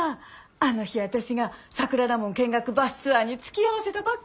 あの日私が桜田門見学バスツアーにつきあわせたばっかりに。